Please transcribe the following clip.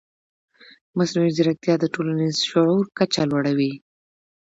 مصنوعي ځیرکتیا د ټولنیز شعور کچه لوړوي.